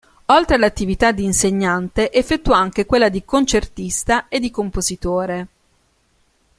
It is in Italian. Oltre alla attività di insegnante, effettuò anche quella di concertista e di compositore.